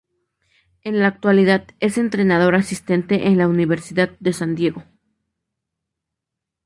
En la actualidad es entrenador asistente en la Universidad de San Diego.